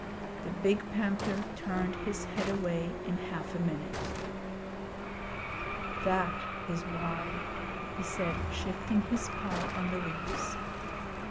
The big panther turned his head away in half a minute. 'That is why,' he said, shifting his paw on the leaves.